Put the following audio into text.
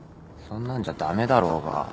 そんなんじゃ駄目だろうが。